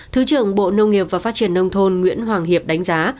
thứ trưởng bộ nông nghiệp và phát triển nông thôn nguyễn hoàng hiệp đánh giá